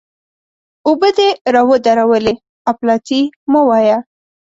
اوبه دې را ودرولې؛ اپلاتي مه وایه!